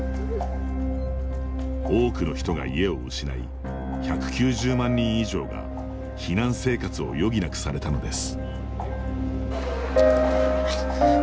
多くの人が家を失い１９０万人以上が避難生活を余儀なくされたのです。